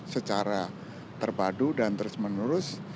secara terpadu dan terus menerus